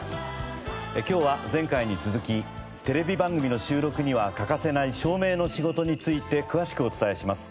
今日は前回に続きテレビ番組の収録には欠かせない照明の仕事について詳しくお伝えします。